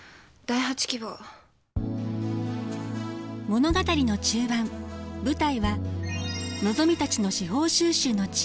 物語の中盤舞台はのぞみたちの司法修習の地